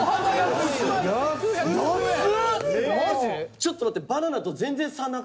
ちょっと待って。